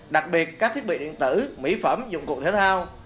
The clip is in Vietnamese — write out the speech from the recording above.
đặc biệt các thiết bị điện tử mỹ phẩm dụng cụ thể thao